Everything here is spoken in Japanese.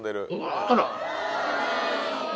あら。